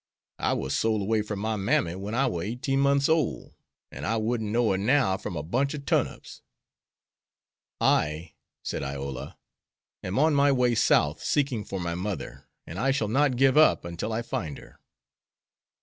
"I war sole 'way from my mammy wen I war eighteen mont's ole, an' I wouldn't know her now from a bunch ob turnips." "I," said Iola, "am on my way South seeking for my mother, and I shall not give up until I find her."